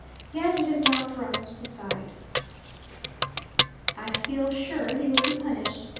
"Yet it is not for us to decide." "I feel sure he will be punished.